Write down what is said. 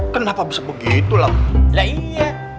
kenapa bisa begitu lam